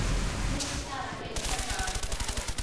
師兄加把勁吹水